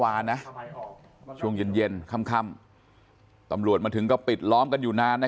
นะช่วงเย็นเย็นค่ำตำรวจมาถึงก็ปิดล้อมกันอยู่นานนะ